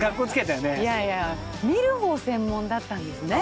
見る方専門だったんですね。